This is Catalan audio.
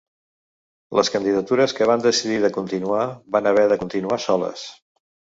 Les candidatures que van decidir de continuar van haver de continuar soles.